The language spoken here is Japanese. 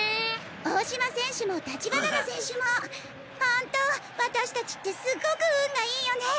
大島選手も橘田選手もホント私達ってすごく運がいいよね。